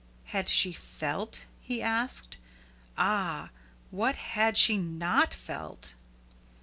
Had she FELT, he asked. Ah! what had she not felt?